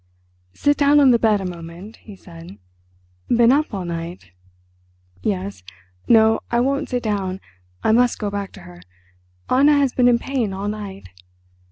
"Sit down on the bed a moment," he said. "Been up all night?" "Yes. No, I won't sit down, I must go back to her. Anna has been in pain all night.